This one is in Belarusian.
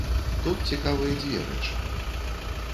Тут цікавыя дзве рэчы.